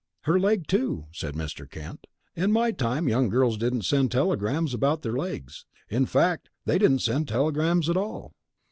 "Her leg, too," said Mr. Kent. "In my time, young girls didn't send telegrams about their legs. In fact, they didn't send telegrams at all."